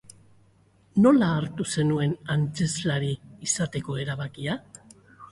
Nola hartu zenuen antzezlari izateko erabakia?